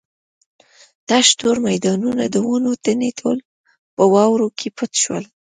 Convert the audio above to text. تش تور میدانونه د ونو تنې ټول په واورو کې پټ شول.